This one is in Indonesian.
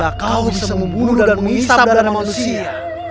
ya kau bisa membunuh dan menghisap dana manusia